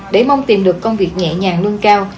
để mong tìm được công việc nhẹ nhàng nâng cao